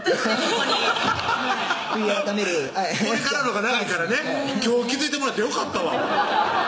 ここに悔い改めるこれからのほうが長いからね今日気付いてもらってよかったわ